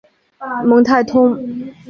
蒙泰通。